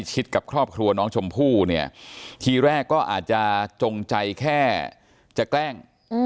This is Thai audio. กับครอบครัวน้องชมพู่เนี่ยทีแรกก็อาจจะจงใจแค่จะแกล้ง